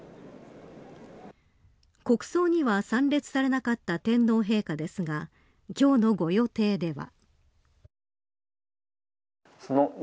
国葬には参列されなかった天皇陛下ですが今日のご予定では。